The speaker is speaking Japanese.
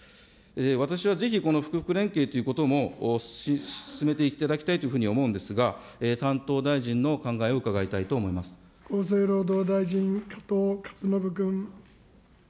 私はぜひ、この福福連携というものも進めていただきたいというふうに思うんですが、担当大臣の厚生労働大臣、加藤勝信君。